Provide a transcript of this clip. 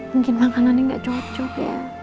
mungkin makanannya nggak cocok ya